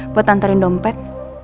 buat nganterin dompet